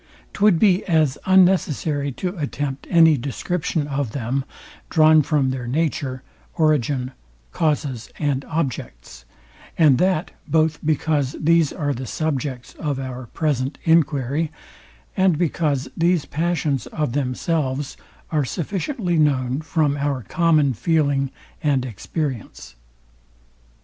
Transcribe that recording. Twould be as unnecessary to attempt any description of them, drawn from their nature, origin, causes and objects; and that both because these are the subjects of our present enquiry, and because these passions of themselves are sufficiently known from our common feeling and experience.